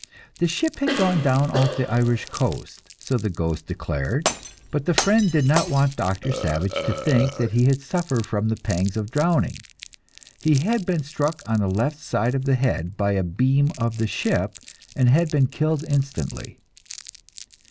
The ship had gone down off the Irish coast, so the ghost declared, but the friend did not want Doctor Savage to think that he had suffered from the pangs of drowning; he had been struck on the left side of the head by a beam of the ship and had been killed instantly.